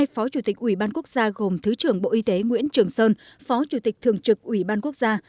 hai phó chủ tịch ủy ban quốc gia gồm thứ trưởng bộ y tế nguyễn trường sơn phó chủ tịch thường trực ủy ban quốc gia